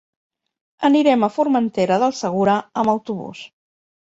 Anirem a Formentera del Segura amb autobús.